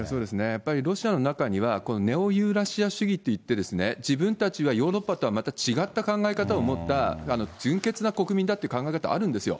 やっぱりロシアの中には、ネオユーラシア主義といって、自分たちはヨーロッパとはまた違った考え方を持った純潔な国民だという考え方があるんですよ。